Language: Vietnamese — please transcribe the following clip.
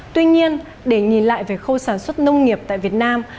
tuy nhiên để nhìn lại về khâu sản xuất nông nghiệp tại việt nam